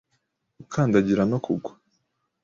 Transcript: gukandagira no kugwa.